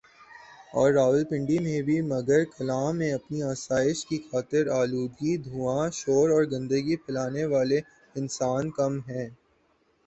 اور راولپنڈی میں بھی مگر کلاں میں اپنی آسائش کی خاطر آلودگی دھواں شور اور گندگی پھیلانے والے انسان کم ہیں